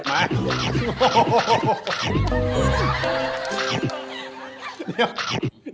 ไม่